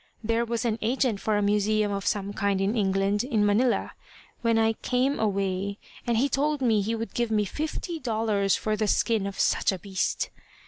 There was an agent for a museum of some kind in England, in Manila when I came away, and he told me he would give me fifty dollars for the skin of such a beast."